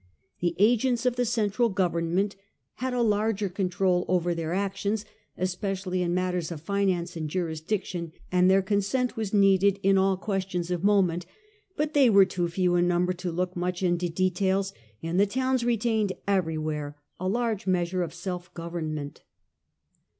The agents of the central government had a larger control over their actions, especially in matters of finance and jurisdiction, and their consent was needed in all questions of moment. But they were too few in number to look much into details, and the towns retained everywhere a large measure of self government.